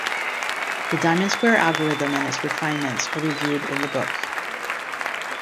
The diamond-square algorithm and its refinements are reviewed in the book.